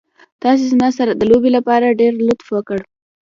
تاسې زما سره د لوبې لپاره ډېر لطف وکړ.